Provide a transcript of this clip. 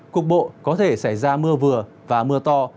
cục bộ có thể xảy ra mưa vừa và mưa to